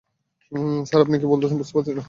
Sir, আপনি কি বলছেন বুঝতে পারছি না।